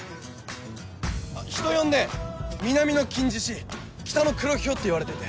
人呼んで「南の金獅子北の黒ヒョウ」っていわれてて。